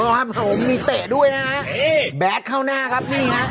ตามงานนี้นะครับ